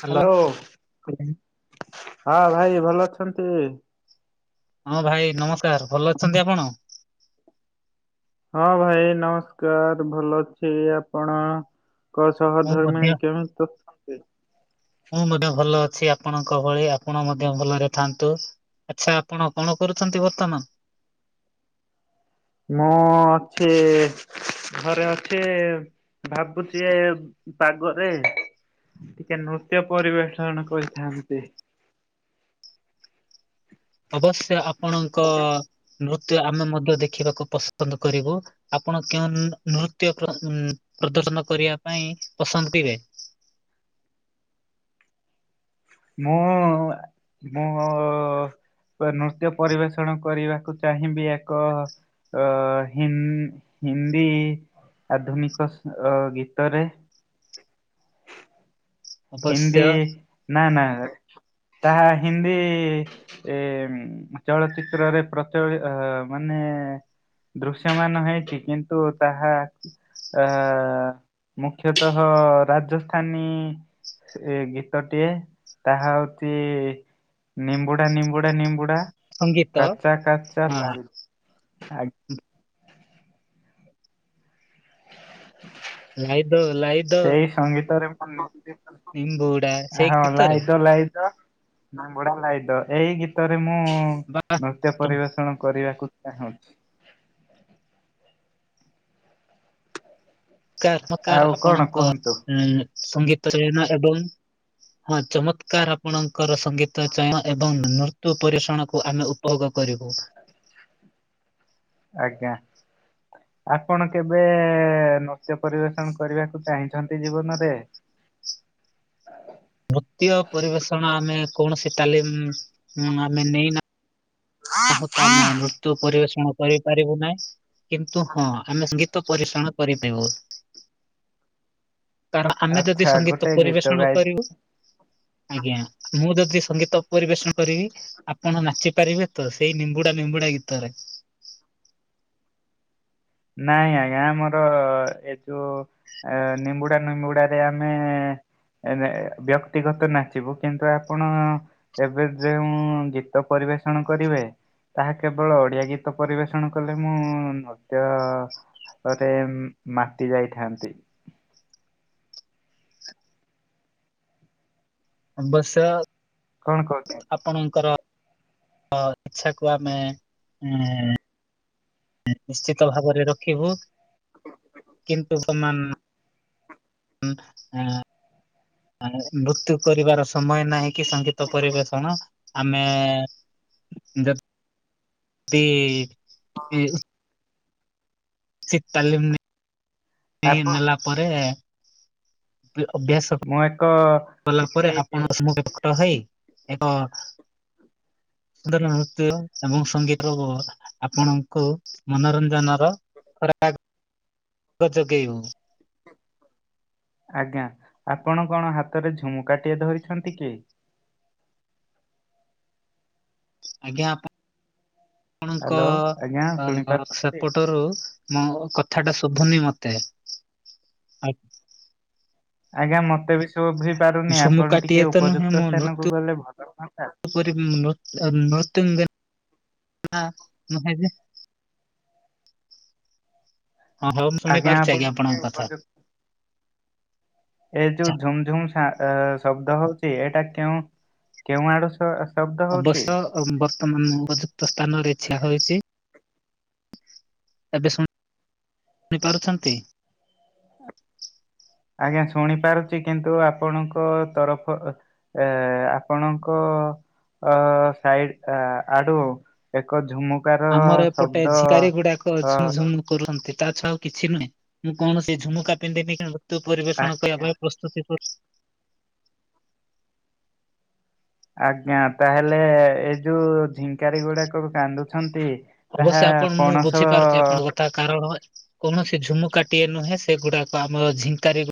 Hello. ହଁ ଭାଇ ଭଲ ଅଛନ୍ତି। ହଁ ଭାଇ ନମସ୍କାର। ଭଲ ଅଛନ୍ତି ଆପଣ? ହଁ ଭାଇ ନମସ୍କାର ଭଲ ଅଛି। ଆପଣ? ଙ୍କ ସହ ମୁଁ ମଧ୍ୟ ଧର୍ମିଣୀ କେମିତିଅଛନ୍ତି? ମୁଁ ମଧ୍ୟ ଭଲ ଅଛି ଆପଣଙ୍କ ଭଳି ଆପଣ ମଧ୍ୟ ଭଲରେ ଥାନ୍ତୁ। ଆଚ୍ଛା ଆପଣ କଣ କରୁଛନ୍ତି ବର୍ତ୍ତମାନ? ମୁଁ ଅଛି ଘରେ ଅଛି। ଭାବୁଛି ଏ ପାଗରେ। ଟିକେ ନୃତ୍ୟ ପରିବେଷଣ କରିଥାନ୍ତି। ଅବଶ୍ୟ ଆପଣଙ୍କ ନୃତ୍ୟ ଆମେ ମଧ୍ୟ ଦେଖିବାକୁ ପସନ୍ଦ କରିବୁ। ଆପଣ କେଉଁ ନୃତ୍ୟ ପ୍ରଦ ପ୍ରଦର୍ଶନ କରିବା ପାଇଁ ପସନ୍ଦ ଦିବେ? ମୁଁ ମୁଁ ନୃତ୍ୟ ପରିବେଷଣ କରିବାକୁ ଚାହିଁବି ଏକ ଅ ହି ହିନ୍ଦୀ ଆଧୁନିକ ଗୀତରେ ହିନ୍ଦୀ ଅବଶ୍ୟ ନା ନା ତାହା ହିନ୍ଦୀ ଏ ଚଳଚିତ୍ରରେ ପ୍ରଚଳି ମାନେ ଦୃଶ୍ୟମାନ ହେଇଚି କିନ୍ତୁ ତାହା ଆହା ମୁଖ୍ୟତଃ ରାଜସ୍ଥାାନୀ। ସେ ଗୀତଟିଏ ତାହା ଅତି ନିମ୍ବୁଡା ନିମ୍ବୁଡା ନିମ୍ବୁଡା। ସଙ୍ଗୀତ କଚା କଚା ହଁ ନା-ଆ ଲାଇଦ ଲାଇଦ ସେଇ ସଙ୍ଗୀତରେ ମୁଁ ନୁର୍ତ୍ୟ ନିମ୍ବୁଡା ସେଇ ହଁ ଗୀତରେ ଲାହିଦୋ ଲାଇଦୋ। ମାଙ୍ଗୁଡା ଲାଇଦ ଏହି ଗୀତରେ ମୁଁ ବା ନୃତ୍ୟ ପରିବେଷଣ କରିବାକୁ ଚାହୁଁଛି। ପକାର ପକାର ଆଉ କଣ ଆପଣଙ୍କ କୁହନ୍ତୁ ସଙ୍ଗୀତ ରେୟନ ଏବଂ ହଁ ଚମତ୍କାର ଆପଣଙ୍କର ସଙ୍ଗୀତ୍ ତ ଚୟନ ଏବଂ ନୃତ୍ୟୁ ପରିଷଣକୁ ଆମେ ଉପଭୋଗ କରିବୁ। ଆଜ୍ଞା। ଆପଣ କେବେ ନୃତ୍ୟ ପରିବେଷଣ କରିବାକୁ ଚାହିଁଛନ୍ତି ଜୀବନରେ। ବୃତୀୟ ପରିବେଷଣ ଆମେ କୌଣସି ତାଲିମ ଆମେ ନେଇନାହୁଁ। ହ ତ ଆମେ ନୃତ୍ୟ ପରିବେଷଣ କରିପାରିବୁ ନାହିଁ କିନ୍ତୁ ହଁ ଆମେ ଗୀତ ପରି ଶଣ କରି ଦବୁ। କାରଣ ଆମେ ଯଦି ଆଚ୍ଛା ସଙ୍ଗୀତ ଗୋଟେ ଗୀତ ପରିବେଷଣ ଗାଇ କରିବୁ? ଆଜ୍ଞା ମୁଁ ଯଦି ସଙ୍ଗୀତ ପରିବେଷଣ କରିବି ଆପଣ ନାଚିପାରିବେ? ତ ସେଇ ନିମ୍ବୁଡା ନିମ୍ବୁଡାଗିତରେ। ନାଇଁ ଆଜ୍ଞା ଆମର ଏ ଯୋଉ ଆ ନିମ୍ବୁଡା ନିମ୍ବୁଡାରେ ଆମେ ଏ ନେ ବ୍ୟକ୍ତିଗତ ନାଚିବୁ କିନ୍ତୁ ଆପଣ ଏବେ ଯେଉଁ ଗୀତ ପରିବେଷଣ କରିବେ ତାହା କେବଳ ଓଡିଆ ଗୀତ ପରିବେଷଣ କଲେ ମୁଁ ନୁହ ତା ପରେ ମାଟି ଯାଇଥାନ୍ତି। ବସ। କଣ କରୁଚ? ଆପଣଙ୍କର ଇଚ୍ଛାକୁ ଆମେ ଏଁ ନିଶ୍ଚିତ ଭାବରେ ରଖିବୁ କିନ୍ତୁ ବମାନ ଆ ମୃତ୍ୟୁ କରିବାର ସମୟ ନାହିଁ। କି ସଙ୍ଗୀତ ପରିବେଷଣ ଆମେ ଚି ହଁ। ଶୀ ତାଲିମି ଆପଣ ନେଲା ପରେ ଅଭ୍ୟାସ ମୁଁ ଏକ କଲା ପରେ କିଛି ଆପଣ ସମଟ ହେଇ ଏକ ସୁନ୍ଦର ନୃତ୍ୟ ଏବଂ ସଙ୍ଗୀତ ଆପଣଙ୍କୁ ମନୋରଞ୍ଜନର ଖରା ଯୋଗେଇବ। ଆଜ୍ଞା ଆପଣ କଣ ହାତରେ ଝୁମ କାଟିଏ ଧରିଛନ୍ତି କି? ଆଜ୍ଞା ଆପ ଆପଣଙ୍କ ହ୍ୟାଲୋ ଆଜ୍ଞା ଅ ଶ ଶୁଣିପାରୁଛନ୍ତି? ପଟରୁ ମଁ କଥା ଟା ଶୁଭୁନି ମତେ? ଆ ଆଜ୍ଞା ମତେ ବି ସୁଭି ପାରୁନି ଆପଣ ଝୁମୁକାଟିଏ ଟିକେ ତ ଉପଯୁକ୍ତ ସ୍ଥାନକୁ ଗଲେ ଭଲ ହୁଅନ୍ତା। ନତ ନେ [unintelligible] ହଁ ହଉ ମୁଁ ଆଜ୍ଞା ଶୁଣିପାରୁଛି ଆଜ୍ଞ ଆପଣ ଟିକେ ଆପଣଙ୍କ କଥା। ଉପଯୁକ୍ତ ଏ ଯୋଉ ଆଛା ଝୁମ୍ ଝୁମ୍ ଶା ଶବ୍ଦ ହଉଛି ଏଇଟା କେଉଁ କେଉଁ ଆଡୁ ଷ ଅବଶ୍ୟ ବର୍ତ୍ତମାନ ଉପଯୁକ୍ତ ସ୍ଥାନରେ ଛିଆ ହୋଇଛି। ଏବେ ଶୁଣି ପାରୁଛନ୍ତି? ଆଜ୍ଞା ଶୁଣି ପାରୁଛି କିନ୍ତୁ ଆପଣଙ୍କ ତରଫ ଅ ଏ ଆପଣଙ୍କ ଅ ସାଇଡ଼ି ଆଡୁ ଏକ ଝୁମୁ ଆମର ଏପଟେ ଝିକାରି ଗୁଡାକ ଅ ଝୁମୁଝୁମୁ କରୁଛନ୍ତି ତା ଛ ଆଉ କିଛି ନୁହେଁ ମୁଁ କୈଣସି ଝୁମୁକା ପିନ୍ଧିନି କି ତୁ ପରିବେଷଣ କରିବା ଆଜ୍ଞା। ପାଇଁ ପ୍ରସ୍ତୁତି କର ଆଜ୍ଞା ତାହେଲେ ଏଇ ଯୋଉ ଝିଙ୍କାରି ଗୁଡାକ କାନ୍ଦୁଛନ୍ତି। ଅବଶ୍ୟ ତାହା ଆପଣ ମୁଁ ପଣସ ବୁଝିପାରୁଛି ଆପଣଙ୍କ କଥା କାରଣ କୌଣସି ଝୁମୁକାଟିଏ ନୁହେଁ ସେଗୁଡାକ ଆମର ଝିଙ୍କାରି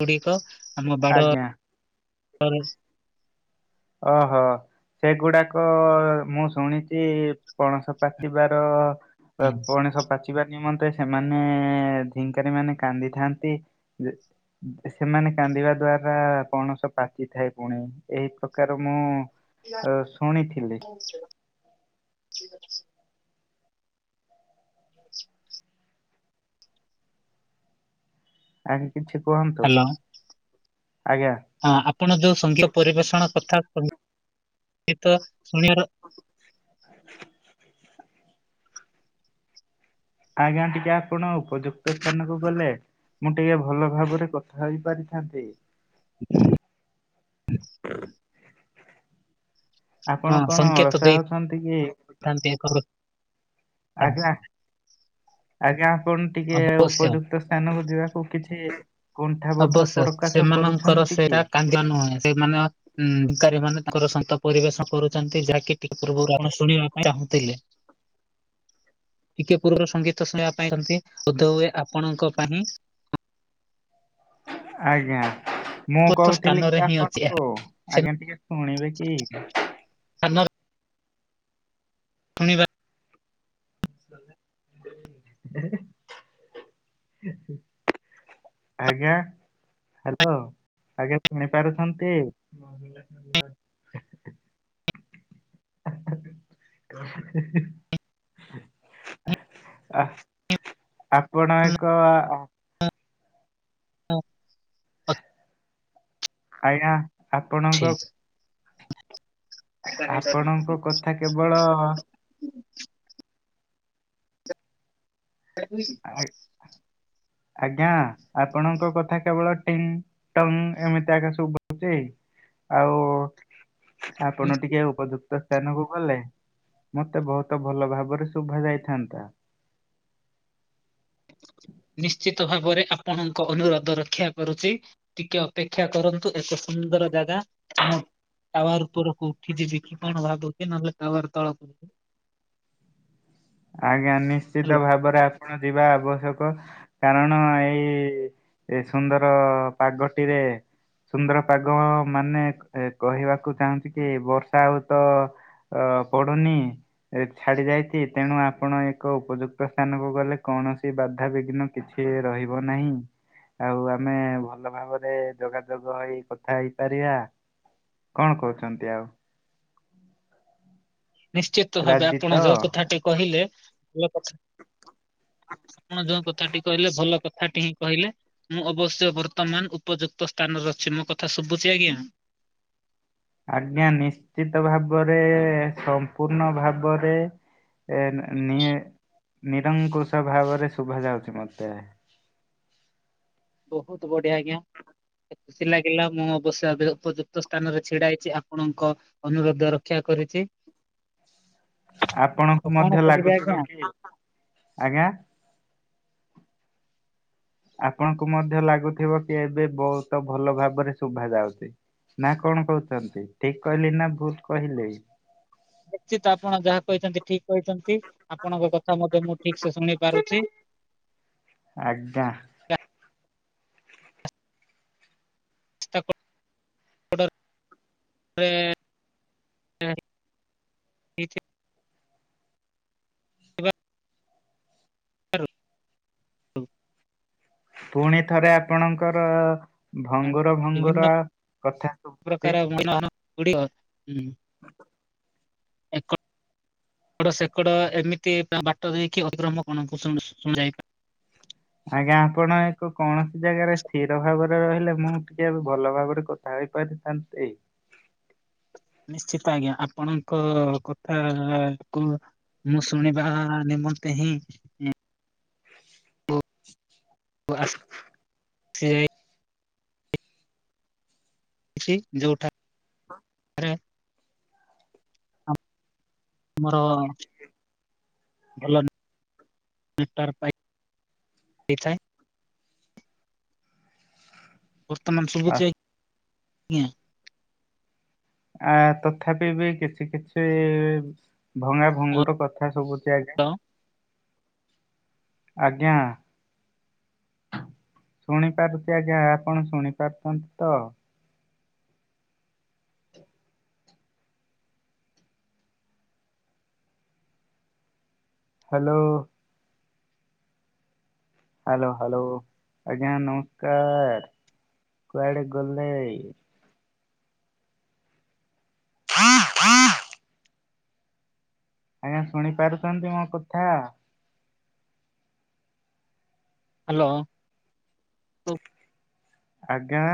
ଗୁଡିକ ଆମ ଆଜ୍ଞା ବାଡରେ ଅ ହଁ। ସେଗୁଡାକ ମୁଁ ଶୁଣିଛି ପଣସ ପାଚିବାର ତ ପଣସ ପାଚି ଚିବା ନିମନ୍ତେ ସେମାନେ ଝିଙ୍କାରି ମାନେ କାନ୍ଦିଥାନ୍ତି ଯେ ସେମାନେ କାନ୍ଦିବା ଦ୍ଵାରା ପଣସ ପାଚିଥାଏ ପୁଣି ଏଇ ପ କାର ମୁଁ ଅ, ଶୁଣିଥିଲି [inaudible] ଆଜ୍ଞା କିଛି କୁହନ୍ତୁ? ହ୍ୟାଲୋ ଆଜ୍ଞା। ହଁ ଆପଣ ଯୋଉ ସଙ୍ଗୀତ ପରିବେଷଣ କଥା କହି ଗିତ ଶୁଣିବାର [inaudible] ଆଜ୍ଞା ଟିକେ ଆପଣ ଉପଯୁକ୍ତ ସ୍ଥାନକୁ ଗଲେ ମୁଁ ଟିକେ ଭଲ ଭାବରେ କଥା ହେଇ ପାରିଥାନ୍ତି। [inaudible] ହଁ ଆପଣ କଣ ସଂଙ୍କେତ ଅଳସୁଆ ହଉଛନ୍ତି କି? [inaudible] ଆଜ୍ଞା ଆଜ୍ଞା ଆପଣ ଟିକେ ଅବଶ୍ୟ ଉପଯୁ ସ୍ଥାନକୁ ଯିବାକୁ କିଛି କୁଣ୍ଠାବୋଧ ଅବଶ୍ୟ ପ୍ରକାଶ ସେମାନଙ୍କର କରୁଛନ୍ତି କି? ସେଇଟା କାନ୍ଦ ନୁହେଁ ସେମାନେ ହୁଁ ଝୁଙ୍କାରୀ ମାନେ ତାଙ୍କର ସନ୍ତ ପରିବେଶ କରୁଛନ୍ତି। ଯାହାକି ପିତୃ ପୁରାଣ ଶୁଣିବା ପାଇଁ ଚାହୁଁଥିଲେ। [inaudible] ଟିକେ ପୁର୍ବରୁ ସଙ୍ଗୀତ ଶୁଣିବା ପାଇଁଛନ୍ତି ବୋଧେ ହୁଏ ଆପଣଙ୍କ ପାଇଁ ଆଜ୍ଞା। ମୁଁ ଉପଯୁକ୍ତ କହୁଥିଲି ସ୍ଥାନରେ କି ହିଁ ଆପଣ ଅଛି ଏହା। କୁ ସେ ଆଜ୍ଞା ଟିକେ ଶୁଣିବେ କି? [inaudible] ଶୁଣିବା [inaudible] [inaudible] ଆଜ୍ଞା, ହାଲୋ ଆଜ୍ଞା, ଶୁଣି ପାରୁଛନ୍ତି? [inaudible] [inaudible] [unintelligible] ଆପଣ ଏକ [inaudible] ଆଜ୍ଞା ଅଛି। ଆପଣଙ୍କ ଆପଣଙ୍କ କଥା କେବଳ [inaudible] ଆ ଆଜ୍ଞା ଆପଣଙ୍କ କଥା କେବଳ ଟିନ୍ ଟନ୍ ଏମିତି ଆଗ ଶୁବୁଛି ଆଉ ଆପଣ ଟିକେ ଉପଯୁକ୍ ସ୍ଥାନକୁ ଗଲେ, ମତେ ବହୁତ ଭଲ ଭାବରେ ଶୁଭା ଯାଇଥାନ୍ତା। ନିଶ୍ଚିତ ଭାବରେ ଆପଣଙ୍କ ଅନୁରୋଧ ରକ୍ଷା କରୁଛି। ଟିକେ ଅପେକ୍ଷା କରନ୍ତୁ, ଏକ ସୁନ୍ଦର ଜାଗା। ଟାୱାର୍‌ଉପରକୁ, ଉଠି ଯିବି କି କଣ ଭାବୁଛି? ନହେଲେ ଟାୱାର ତଳ କୁ ଆଜ୍ଞା ହାଲୋ। ନିଶ୍ଚିତ ଭାବରେ ଆପଣ ଯିବା ଆବଶ୍ୟକ। କାରଣ ଏଇ ସୁନ୍ଦର ପାଗଟିରେ ସୁନ୍ଦର ପାଗ, ମାନେ କହିବାକୁ ଚାହୁଁଛି, କି ବର୍ଷା ହଉ ତ ଅ ପଡ଼ୁନି ଛାଡି ଯାଇଛି। ତେଣୁ ଆପଣ ଏକ ଉପଯୁକ୍ତ ସ୍ଥାନକୁ ଗଲେ, କୌଣସି ବାଧାବିଘ୍ନ କିଛି ରହିବ ନାହିଁ। ଆଉ ଆମେ ଭଲ ଭାବରେ ଯୋଗାଯୋଗ ହୋଇ କଥା ହେଇପାରିବା। କଣ କହୁଛନ୍ତି ଆଉ? ନିଶ୍ଚିତ ଭାବେ ରାଜି ଆପଣ ଯ ତ? କଥାଟି କହିଲେ ଭଲ କଥା ଆପଣ ଯ କଥା ଟି କହିଲେ ଭଲ। କଥା ଟି ହିଁ କହିଲେ, ମୁଁ ଅବଶ୍ୟ ବର୍ତ୍ତମାନ। ଉପଯୁକ୍ତ ସ୍ଥାନରେ ଅଛି ମୋ କଥା ଶୁଭୁଛି ଆଜ୍ଞା। ଆଜ୍ଞା ନିଶ୍ଚିତ ଭାବରେ, ସମ୍ପୂର୍ଣ୍ଣ ଭାବରେ ଏ ନି ନିରଙ୍କୁଶ ଭାବରେ, ଶୁଭା ଯାଉଛି ମତେ ବହୁତ ବଢ଼ିଆ ଆଜ୍ଞା। ଖୁସି ଲାଗିଲା। ମୁଁ ଅବଶ୍ୟ, ଉପଯୁକ୍ତ ସ୍ଥାନ ରେ ଛିଡା ହେଇଛି ଆପଣଙ୍କ ଅନୁରୋଧ ରକ୍ଷା କରିଛି। ଆଉ ଆପଣଙ୍କୁ କଣ ମଧ୍ୟ କହିବି ଆଜ୍ଞା ଲାଗୁଥିବ କି, ଆଜ୍ଞା। ଆପଣଙ୍କୁ ମଧ୍ୟ ଲାଗୁଥିବ କି, ଏବେ ବହୁତ ଭଲ ନା କଣ କହୁଛନ୍ତି? ଠିକ୍ କହିଲି ନା, ଭୁଲ୍ ‌କହିଲି? ନିଶ୍ଚିତ ଆପଣ ଯାହା କହିଛନ୍ତି ଠିକ୍ କହିଛନ୍ତି। ଆପଣଙ୍କ କଥା ମଧ୍ୟ ମୁଁ ଠିକ୍ ସେ ଶୁଣି ପାରୁଛି। ଆଜ୍ଞା। [inaudible] [inaudible] ହେଇଥିବାରୁ [inaudible] ପୁଣି ଥରେ ଆପଣଙ୍କର ଭଙ୍ଗୁର ଭଙ୍ଗୁର କଥା କୁ ହୁଁ। [inaudible] ଏକ ଟ ସେକଡ ଏମିତି ବା ବାଟ ଦେଇକି ଅଧିକ୍ରମ [unintelligible] ଆଜ୍ଞା ଆପଣ ଏକ କୌଣସି ଜାଗାରେ ସ୍ଥିର ଭାବରେ ଆପଣ ରହିଲେ, ମୁଁ ଟିକେ ଏ ଭଲ ଭାବରେ କଥା ହୋଇପାରିଥାନ୍ତି। ନିଶ୍ଚିତ ଆଜ୍ଞା ଆପଣଙ୍କ କଥା କୁ ମୁଁ ଶୁଣିବା ନିମନ୍ତେ ହିଁ [inaudible] ଘୂ ଆସ୍ ସି ଯାଇ କିଛି ଯୋଉଠା ହଁ। ମୋର ଭଲ ନ [inaudible] ନେଟାର ପାଇ ଇଥାଏ। ବର୍ତ୍ତମାନ ଆ ଶୁଭୁଚି [inaudible] ଜ୍ଞା। ଆ, ତଥାପି ବି କିଛି କିଛି ଭଙ୍ଗା ଭଙ୍ଗ ର କଥା ସବୁଚି ଆଜ୍ଞା। କଣ? ଆଜ୍ଞା। ଶୁଣିପାରୁଥିବା ଯାହା ଆପଣ ଶୁଣି ପାରୁଛନ୍ତି ତ? ହାଲୋ। ହାଲୋ, ହାଲୋ ଆଜ୍ଞା ନମସ୍କାର, କୁଆଡ଼େ ଗଲେ? [inaudible] ଆଜ୍ଞା ଶୁଣି ପାରୁଛନ୍ତି ମୋ କଥା? ହାଲୋ। ଆଜ୍ଞା।